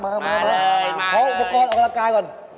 เอาอุปกรณ์ออกกำลังกายก่อน